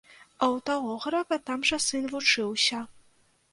А ў таго грэка там жа сын вучыўся.